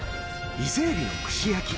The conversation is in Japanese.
イセエビの串焼き